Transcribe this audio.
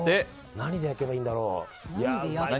何で焼けばいいんだろう。